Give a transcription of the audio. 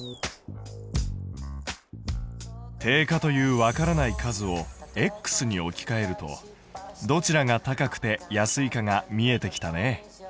定価というわからない数をに置きかえるとどちらが高くて安いかが見えてきたね。